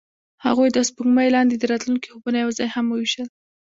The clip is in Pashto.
هغوی د سپوږمۍ لاندې د راتلونکي خوبونه یوځای هم وویشل.